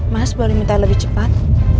mas boleh minta lebih cepat